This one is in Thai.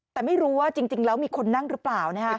แต่ไม่รู้ว่าจริงแล้วมีคนนั่งหรือเปล่า